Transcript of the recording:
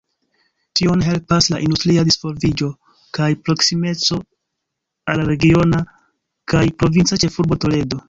Tion helpas la industria disvolviĝo kaj proksimeco al la regiona kaj provinca ĉefurbo Toledo.